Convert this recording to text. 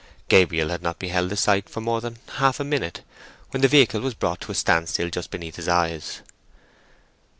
Gabriel had not beheld the sight for more than half a minute, when the vehicle was brought to a standstill just beneath his eyes.